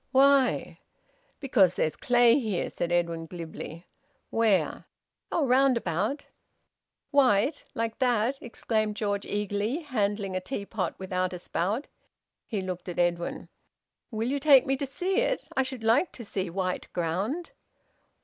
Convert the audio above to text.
"Why?" "Because there's clay here," said Edwin glibly. "Where?" "Oh! Round about." "White, like that?" exclaimed George eagerly, handling a teapot without a spout. He looked at Edwin: "Will you take me to see it? I should like to see white ground."